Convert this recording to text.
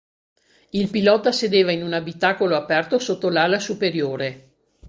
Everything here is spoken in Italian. Il pilota sedeva in un abitacolo aperto sotto l'ala superiore.